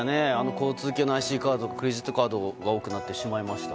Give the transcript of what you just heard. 交通系のＩＣカードクレジットカードが多くなってしまいました。